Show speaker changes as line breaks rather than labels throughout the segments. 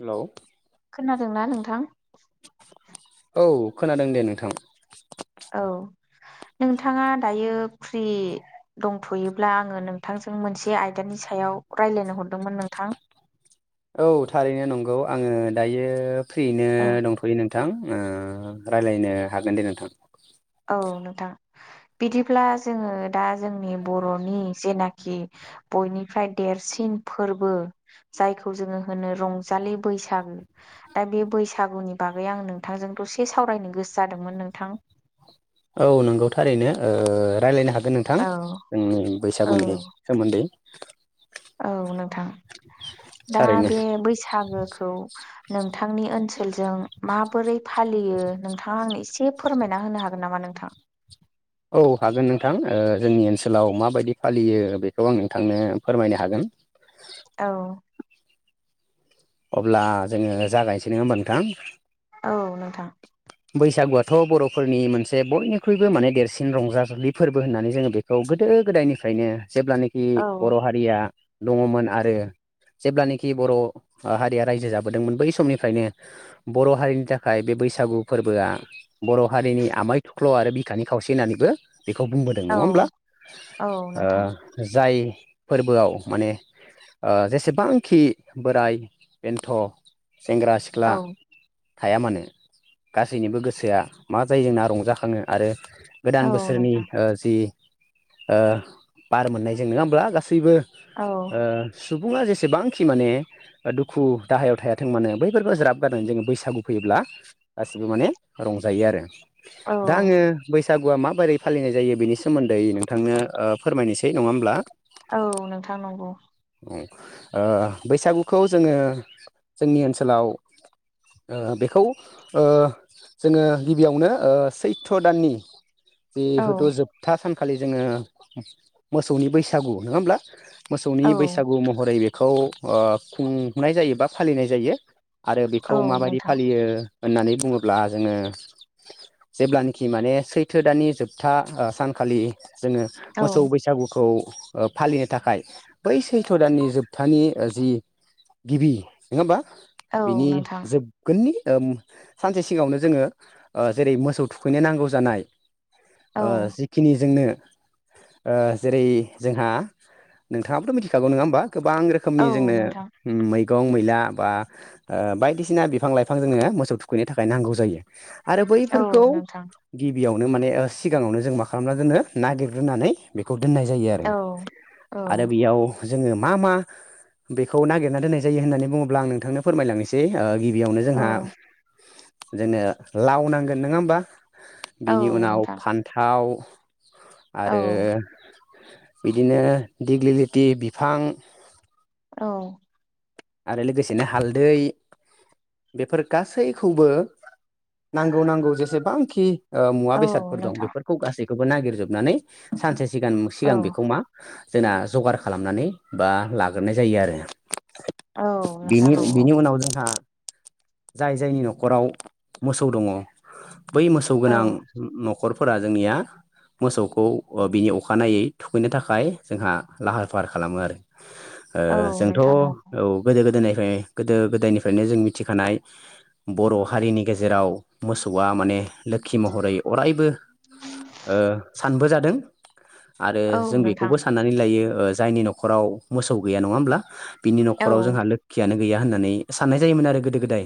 Hello
खोनादों ना नोंथां?
औ खोनादों दे नोंथां
[inaudible] नोंथाङा दायो फ्रि दंथ'योब्ला आङो नोंथांजों मोनसे आयदानि सायाव रायलायनो हरदोंमोन नोंथां
औ थारैनो नंगौ आङो दायो फ्रियैनो
औ
दंथ'यो नों नोंथां ओ रायलायनो हागोन दे नोंथां
औ नोंथां बिदिब्ला जोङो दा जोंनि बर'नि जेनाखि बयनिफ्राय देरसिन फोरबो जायखौ जोङो होनो रंजा [unintelligible] बैसागो दा बे बैसागुनि बागै आं नोंथांजोंखौ दसे सावरायनो गोसो जादोंमोन नोंथ थां
औ नंगौ थारैनो ओ रायलायनो हागोन नोंथां
औ
जोंनि
औ
बैसागुनि सोमोन्दै
औ नोंथां दा
थारैनो
बे बैसागोखौ नों थांनि ओनसोलजों माबोरै फालियो नोंथाङा आंनो एसे फोरमाय ना होनो हागोन नामा नोंथां?
औ हागोन नोंथां ओ जोंनि ओनसोलाव माबायदि फालियो बेखौ आं नोंथांनो फोरमायनो हागोन
औ
अब्ला जोङो जागायनोसै नङा होमबा नोंथां
औ नोंथां
बैसागुआथ' बर'फोरनि मोनसे बयनिख्रुइबो माने देरसिन रंजाजलि फोरबो होननानै जोङो बेखौ गो गोदो गोदायनिफ्रायनो जेब्लानाखि
औ
बर' हारिया दङमोन आरो जेब्लानाखि बर' हारिया रायजो जाबोदोंमोन बै समनिफ्रायनो बर' हारिनि थाखाय बे बैसागु फोरबोआ बर' हारिनि आमाय थख्ल' आरो बिखानि खावसे होननानैबो बेखौ बुंबोदों नङा
औ
होमब्लाओ
औ नोंथां
जाय फोरबोआव माने जेसेबांखि बोराय बेन्थ' सेंग्रा सिख्ला
औ
थाया मानो गासैनिबो गोसोआ मा जायो जोंना रंजाखाङो आरो गोदान
औ
बोसोरनि
नोंथां
ओ जि ओ बार मोननायजों नङा होमब्ला गासैबो
औ
ओ सुबुङा जेसेबांखि माने दुखु दाहायाव थायाथों मानो बैफोरखौ ज्राब गारदों जोङो बैसागु फैयोब्ला दा गासिबो माने रंजायो आरो
औ
दा आङो बैसागुआ मा माबारै फालिनाय जायो बेनि सोमोन्दै नोंथांनो फोरमायनोसै नङा होमब्ला
औ नोंथां नंगौ
औ ओ बैसागुखौ जोङो जोंनि ओनसोलाव ओ बेखौ ओ जोङो गिबियावनो ओ सैथ' दाननि
औ
जेहुथु' जोबथा सानखालि जोङो मोसौनि बैसागु नङा होमब्ला मोसौनि
औ
बैसागु महरै बेखौ ओ खुंनाय जायो बा फालिनाय जायो आरो बेखौ
औ
माबायदि
नोंथां
फालियो होननानै बुङोब्ला जोङो जेब्लानाखि माने सैथो दानानि जोबथा सानखालि जोङो
औ
मोसौ बैसागुखौ ओ फालिनो थाखाय बैस सैथ' दाननि जोबथानि जि गिबि नङा होमबा
औ
बिनि
नोंथां
जोबगोननि ओ सानसे सिगाङावनो जोङो ओ जेरै मोसौ थुखैनो नांगौ जानाय
औ
ओ जिखिनि जोंनो ओ जेरै जोंहा नोंथाङाबोथ' मिथिखागौ नङा होमबा? गोबां
औ
रोखोमनि जोंनो
नोंथां
मै मैगं मैला बा बायदिसिना बिफां लाइफां जोंनो मोसौ थुखैनो थाखाय नांगौ जायो आरो
औ
बैफोरखौ
नोंथां
गिबियावनो माने सिगाङावनो जों मा खालामना दोनो नागिरग्रोनानै बेखौ दोननाय जायो आरो
औ औ
आरो बेयाव जोङो मा मा बेखौ नागिरना दोननाय जायो होननानै बुङोब्ला आं नोंथांनो फोरमायलांनोसै गिबियावनो जोंहा
औ
जोंनो लाव नांगोन नङा होमबा
औ
बेनि उनाव
नोंथां
फान्थाव
औ
आरो बिदिनो दिग्लि लिथि बिफां
औ
आरो लोगोसेनो हालदै बेफोर गासैखौबो नांगौ नांगौ जेसेबांखि मुवा
औ
बेसादफोर दं
नोंथां
बेफोरखौ गासैखौबो नागिरजोबनानै सानसे सिगां
औ
सिगां बेखौ मा जोंना जगार खालामनानै बा लाग्रोनाय जायो आरो।
औ नोंथां
बिनि
नंगौ
बिनि उनाव जोंहा जाय जायनि न'खराव मोसौ दङ' बै मोसौ
औ
गोनां न'खर फोरा जोंनिया मोसौखौ बिनि अखानायै थुखैनो थाखाय जोंहा लाहार फाहार खालामो आरो
औ
जोंथ' औ
नोंथां नंगौ
गोदो गोदायनिफ्राय गोदो गोदायनिफ्रायनो जों मिथिखानाय बर' हारिनि गेजेराव मोसौआ माने लोखि महरै अरायबो ओ सानबो जादों। आरो
औ
जों
नोंथां
बेखौबो साननानै लायो जायनि न'खराव मोसौ गैया नङा होमब्ला बिनि
औ
नखराव जोंहा लोखियानो गैया होननानै साननाय जायोमोन आरो गोदो गोदाय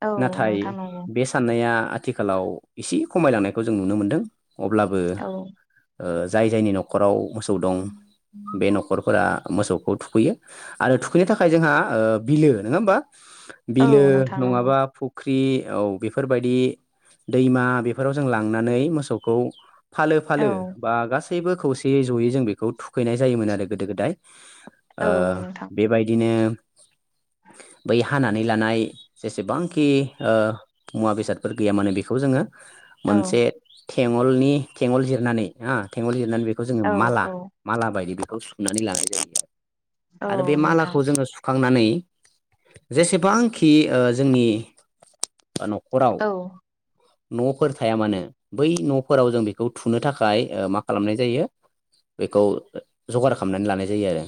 औ
नाथाय
नोंथां नंगौ
बे साननाया आथिखालाव एसे खमायलांनायखौ जों नुनो मोनदों अब्लाबो
औ
जाय जायनि न'खराव मोसौ दं बे न'खरफोरा मोसौखौ थुखैयो आरो थुखैनो थाखाय जोंहा बिलो नङा होमबा
औ
बिलो
नोंथां नंगौ
नङाबा फख्रि फुख्रि औ बेफोरबायदि दैमा बेफोराव जों लांनानै मोसौखौ फालो
औ
फालो बा गासैबो खौसेयै ज'यै जों बेखौ थुखैनाय जायोमोन आरो गोदो गोदाय
औ नोंथां
बेबायदिनो बै हानानै लानाय जेसेबांखि मुवा बेसादफोर गैया माने बेखौ जोङो
औ
मोनसे थेङलनि थेङल जिरनानै हो थेङल जिरनानै बेखौ जोङो
औ
माला
औ
माला बायदि बे खौ सुनानै लानाय जायो आरो
औ
आरो बे
नोंथां
मालाखौ जोङो थांनानै जेसेबांखि जोंनि बा न'खराव
औ
न'फोर थाया मानो बै न'फोराव जों बेखौ थुनो थाखाय मा खालामनाय जायो बेखौ जगार खालामनानै लानाय जायो आरो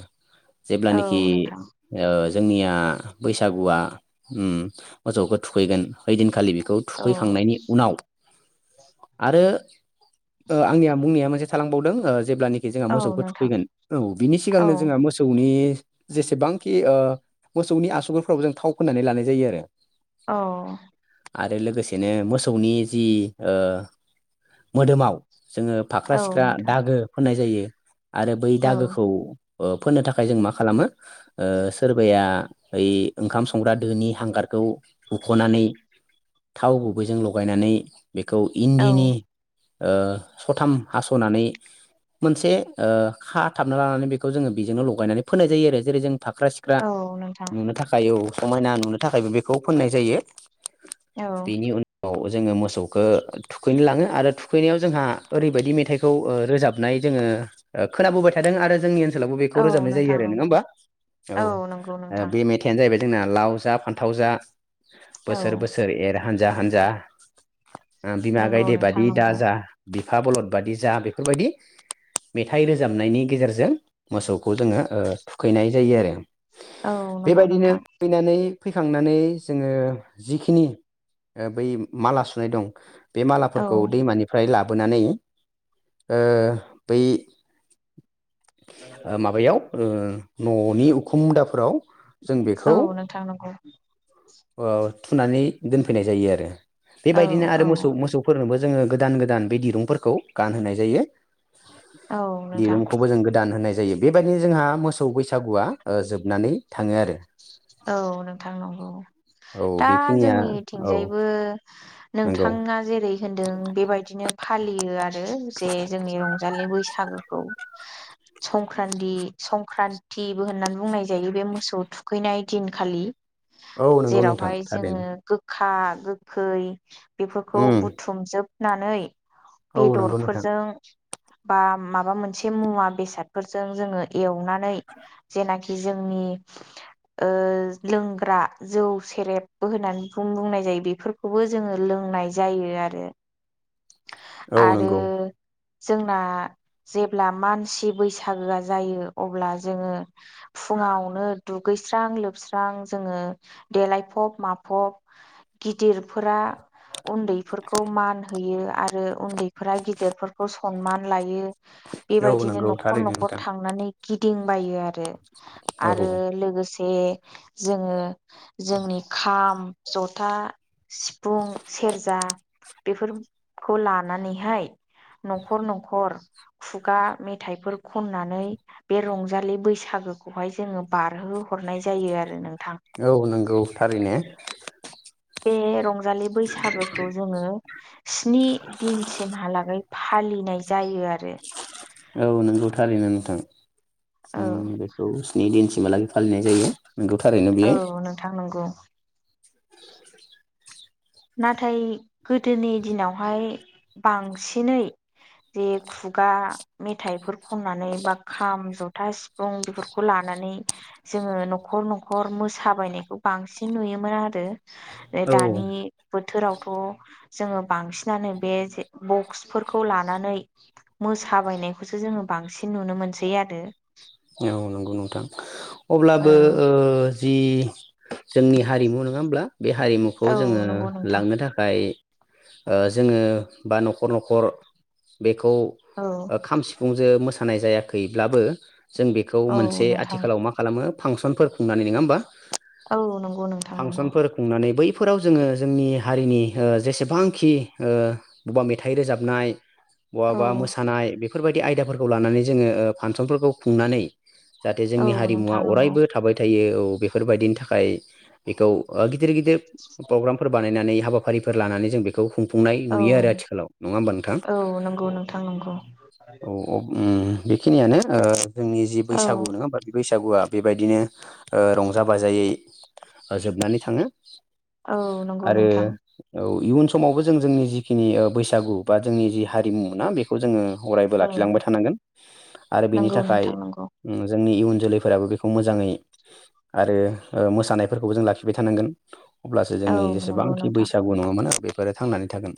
औ
जेब्लानाखि
नोंथां
जोंनिया बैसागुआ मोसौखौ थुखैगोन ओइदिनखालि बेखौ
औ
थुखैखांनायनि उनाव आरो आंनिया बुंनाया मोनसे थालांबावदों जेब्लानोाखि जोंहा
औ
मोसौखौ
नोंथां
थुखैगोन औ बिनि
औ
सिगांनो जोंहा मोसौनि जेसेबांखि मोसौनि आसुगुरफोराव जों थाव फोननानै लानाय जायो आरो
औ
आरो लोगोसेनो मोसौनि जि ओ मोदोमाव जोङो फाख्रा
औ
सिख्रा
नोंथां
दागो फोननाय जायो आरो बै
औ
दागोखौ ओ फोननो थाखाय जों मा खालामो ओ सोरबाया ओइ ओंखाम संग्रा दोनि हांगारखौ बुख'नानै थाव गुबैजों लगायनानै बेखौ
औ
इन्दिनि ओ सथाम हास'नानै मोनसे ओ खा--थाबना लानानै बेखौ जोङो बेजोंनो लगायनानै फोननाय जायो आरो जेरै जों फाख्रा सिख्रा
औ नोंथां
नुनो थाखाय औ समायना नुनो थाखायबो बेखौ फोननाय जायो।
औ
बेनि उनाव जों जोङो मोसौखौ थुखैनो लाङो आरो थुखैनायाव जोंहा ओरैबायदि मेथाइखौ ओ रोजाबनाय जोङो ओ खोनाबोबाय थादों आरो जोंनि ओन सोलावबो बेखौ
औ
रोजाबनाय जायो
नोंथां
आरो नङा
नंगौ
होनबा? औ
नंगौ नोंथां
बे मेथाइ आनो जाहैबाय जोंना लाव जा, फान्थाव जा
औ
बोसोर बोसोर एर हानजा हानजा बिमा
नंगौ
गायदे
नोंथां
बादि दा
नंगौ
जा बिफा बलद बादि जा बेफोरबायदि मेथाइ रोजाबनायनि गेजेरजों मोसौखौ जोङो ओ थुखैनाय जायो आरो।
औ नंगौ नोंथां।
नानै फैखांनानै जोङो जिखिनि ओ बै माला सुनाय दं बे
औ
मालाफोरखौ दैमानिफ्राय ला बोनानै ओ बै ओ माबायाव ओ न'नि उखुम मुदाफोराव जों बेखौ
औ नोंथां नंगौ।
ओ थुनानै दोनफैनाय जायो आरो।
औ
बेबायदिनो आरो
औ
मोसौ-मोसौफोरनोबो जोङो गोदान गोदान बे दिरुंफोरखौ गानहोनाय जायो।
औ नोंथां
दिरुंखौबो जों गोदान होनाय जायो। बेबायदिनो जोंहा मोसौ बैसागुआ ओ जोबनानै थाङो आरो।
औ नोंथां नंगौ
औ
दा
बेखिनिया औ
जोंनिथिंजायबो
नंगौ
नोंथाङा जेरै होनदों बेबायदिनो फालियो आरो जे जोंनि रंजालि बैसा गुखौ। संक्रान्दि संक्रान्तिबो होननानै बुंनाय जायो बे मोसौ थुखैनाय दिनखालि।
औ नंगौ नोंथां
जेरावहाय जोङो
थारैनो
गो खा, गोखै बेफोरखौ
उम
बुथुमजोबनानै
औ नंगौ नोंथां
बेदरफोरजों बा माबा मोनसे मुवा बेसादफोरजों जोङो एवनानै जेनाखि जोंनि ओ लोंग्रा जौ सेरेबबो होननानै बुंनाय जायो बेफोरखौबो जोङो लोंनाय जायो यो आरो।
औ
आरो
नंगौ
जोंना जेब्ला मानसि बैसागोआ जायो अब्ला जोङो फुङावनो दुगै स्रां लोबस्रां जोङो देलायफब माफब गिदिरफोरा उन्दैफोरखौ मानहोयो आरो उन्दैफोरा गिदिरफोरखौ सनमान लायो।
औ
बेबायदिनो
नंगौ
न'खर
थारैनो
न'खर
नोंथां
थांनानै गिदिंबायो आरो।
औ
आरो लोगोसे जोङो जोंनि खाम, जथा, सिफुं, सेरजा, खौ लानानैहाय न'खर न'खर खुगा मेथाइफोर खननानै बे रंजालि बैसागु गोखौहाय जोङो बारहो हरनाय जायो आरो नोंथां।
औ नंगौ थारैनो
बे रंजालि बैसागोखौ जोङो स्नि दिनसिमहालागै फालिनाय जायो आरो।
औ नंगौ थारैनो नोंथां
औ
जों बेखौ स्नि दिनसिम हालागि फालिनाय जायो नोंगौ थारैनो बेयो।
औ नोंथां नंगौ [inaudible] नाथाय गोदोनि दिनावहाय बांसिनै जे खुगा मेथाइफोर खननानै बा खाम, जथा, सिफुं, बेफोरखौ लाना नानै जोङो न'खर न'खर मोसाबायनायखौ बांसिन नुयोमोन आरो।
औ
दानि बोथोरावथ' जोंङो बांसिनानो बे जे बक्सफोरखौ लानानै मो साबायनायखौसो जोङो बांसिन नुनो मोनसै आरो।
औ नंगौ नोंथां
औ
अब्लाबो ओ जि जोंनि हारिमु नङा होमब्ला बे हारिमुखौ जोङो
औ नंगौ नोंथां
लांनो थाखाय ओ जोङो बा न'खर न'खर बे खौ‌
औ
खाम सिफुंजों मोसानाय जायाखैब्लाबो जों बेखौ
औ
मोनसे
नोंथां
आथिखालाव मा खालामो फांसनफोर खुंनानै नङा होमबा।
औ नंगौ नोंथां नंगौ
फांसनफोर खुंनानै बै फोराव जोङो जोंनि हारिनि जेसेबांखि ओ बबेबा मेथाइ रोजाबनाय
औ
बहाबा मोसानाय बेफोरबायदि आयदाफोरखौ लानानै जोङो फांसनफोरखौ खुंनानै जाहाथे
औ
जोंनि हारिमुवा
नोंथां नंगौ
अरायबो थाबाय थायो औ बेफोरबायदिनि थाखाय बेखौ गिदिर गिदिर प्रग्रामफोर बानायनानै हाबाफारिफोर लानानै जों बेखौ‌ खुं फुंनाय
औ
नुयो आरो आथिखालाव नङा होमबा नोंथां
औ नंगौ नोंथां नंगौ
औ औ ओम बेखिनियानो ओ जोंनि जि
औ
बैसागु नोङा होमबा बे बै सागुआ बेबायदिनो रंजा बाजायै जोबनानै थाङो
औ नंगौ
आरो
नोंथां
औ। इयुन समावबो जों जोंनि जिखिनि बैसागु बा जोंनि जि हारिमु ना बेखौ जोङो अरायबो
औ
लाखिलांबाय थानांगोन आरो बेनि था
थांनांगौ।
जोंनि इयुन जोलैफोराबो बेखौ मोजाङै आरो मोसानायफोरखौबो जों लाखिबाय थानांगोन अब्लासो
औ
जोंनि
नंगौ
जेसेबांखि
नोंथां
बैसागु नङामोन बेफोरो थांनानै थागोन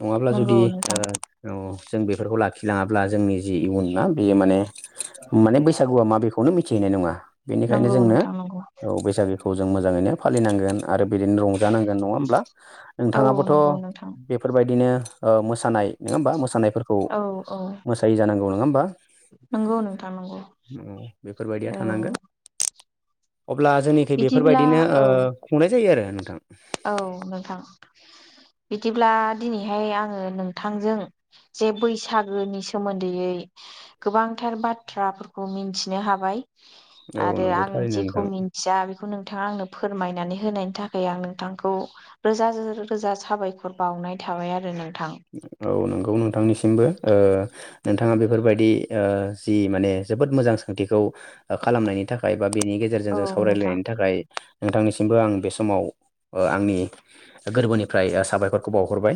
नङाब्ला
नंगौ
जुदि
नोंथां
ओ जों बेफोरखौ लाखिलाङाब्ला जोंनि जि इयुन ना बेयो माने माने बैसागुआ माबेखौनो मिथिहैनाय नङा बेनिखायनो
नंगौ
जोंनो
नोंथां नंगौ
औ बैसागु खौ जों मोजाङैनो फालिनांगोन आरो बिदिनो रंजानांगोन नङा होमब्ला
औ
नोंथाङाबोथ'
नंगौ नोंथां
बेफोरबायदिनो ओ मोसानाय नङा होमबा मोसानाय फोरखौ
औ औ
मोसायै जानांगौ नङा होमबा
नंगौ नोंथां नंगौ
औ बेफोरबायदिया
औ
थानांगोन अब्ला जोंनिखै
बिदिब्ला
बेफोरबायदिनो ओ
औ
खुंनाय जायो आरो नोंथां
औ नोंथां बिदिब्ला दिनैहाय आङो नोंथांजों जे बैसागोनि सोमोन्दैयै। गोबांथार बाथ्राफोरखौ मिथिनो हाबाय
औ
आरो
नंगौ
आं
थारैनो
जेखौ
नोंथां
मिथिया बेखौ नोंथाङा आंनो फोरमायनानै होनायनि थाखाय आं नोंथांखौ रोजा रोजा रोजा साबायखर बावनाय थाबाय आरो नों
औ नोंगौ नोंथांनि सिमबो ओ नोंथाङा बेफोरबायदि ओ जि माने जोबोद मोजां सोंथिखौ खालामनायनि थाखाय बा बेनि गेजेरजों
औ
जों
नोंथां
सावरायलायनायनि थाखाय नोंथांनिसिमबो आं बे समाव आंनि गोरबोनिफ्राय साबायखरखौ बाव हरबाय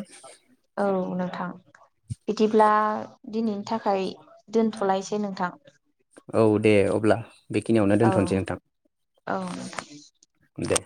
औ नोंथां बिदिब्ला दिनैनि थाखाय दोनथ'लायसै नोंथां।
औ दे अब्ला बेखिनियावनो
औ
दोनथ'नोसै
औ।
नोंथां दे।